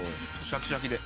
シャキシャキで。